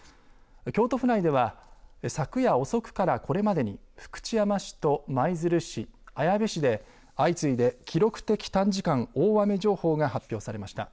京都府内では昨夜遅くからこれまでに福知山市と舞鶴市、綾部市で相次いで記録的短時間大雨情報が発表されました。